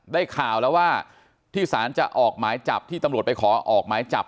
ได้ข่าวแล้วว่าที่สารจะออกหมายจับที่ตำรวจไปขอออกหมายจับ